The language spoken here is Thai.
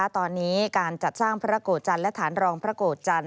ตอนนี้การจัดสร้างพระโกรธจันทร์และฐานรองพระโกรธจันท